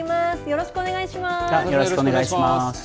よろしくお願いします。